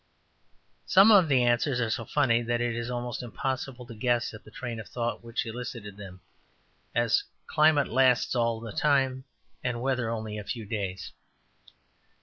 '' Some of the answers are so funny that it is almost impossible to guess at the train of thought which elicited them, as, ``Climate lasts all the time, and weather only a few days.''